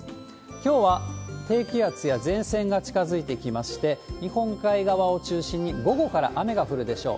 きょうは低気圧や前線が近づいてきまして、日本海側を中心に午後から雨が降るでしょう。